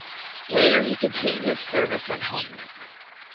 Later he continued his service at homeland.